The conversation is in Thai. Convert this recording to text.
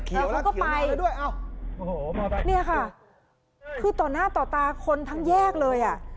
เขาก็ไปเอ้าโอ้โหมาไปเนี้ยค่ะคือต่อหน้าต่อตาคนทั้งแยกเลยอ่ะ